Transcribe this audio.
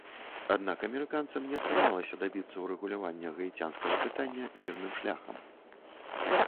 Аднак амерыканцам не атрымалася дабіцца ўрэгулявання гаіцянскага пытання мірным шляхам.